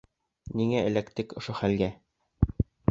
Ниңә эләктек ошо хәлгә?